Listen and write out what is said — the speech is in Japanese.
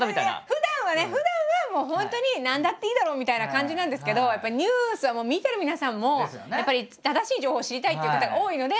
ふだんはねふだんはもう本当に何だっていいだろうみたいな感じなんですけどニュースはもう見てる皆さんもやっぱり正しい情報を知りたいっていう方が多いので。